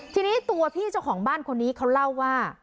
ทีนี้ตัวพี่เจ้าของบ้านคนนี้เขาเล่าว่า